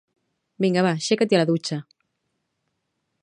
Vinga va, aixeca't i a la dutxa!